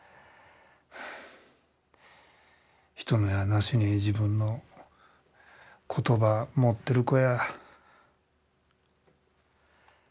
人のやなしに自分の言葉持ってる子や。